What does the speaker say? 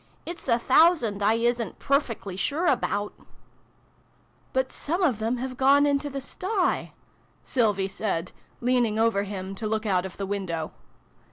It's the thousand I isn't pruffickly sure about !"" But some of them have gone into the sty," Sylvie said, leaning over him to look out of the window.